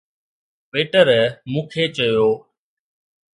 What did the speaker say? waiter مون کي چيو